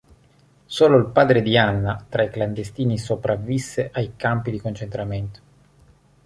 Solo il padre di Anna, tra i clandestini, sopravvisse ai campi di concentramento.